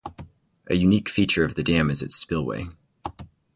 A unique feature of the dam is its spillway.